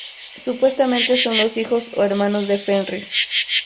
Supuestamente, son los hijos o hermanos de Fenrir.